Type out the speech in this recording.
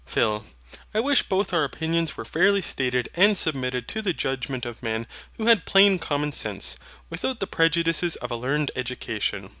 PHIL. I wish both our opinions were fairly stated and submitted to the judgment of men who had plain common sense, without the prejudices of a learned education.